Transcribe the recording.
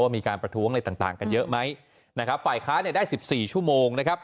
มีการประท้วงอะไรต่างกันเยอะไหมฝ่ายค้าได้๑๔ชั่วโมง